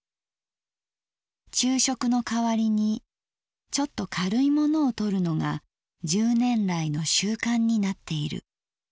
「昼食の代わりにちょっとかるいものをとるのが十年来の習慣になっている。